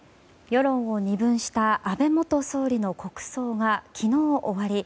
世論を二分した安倍元総理の国葬が昨日、終わり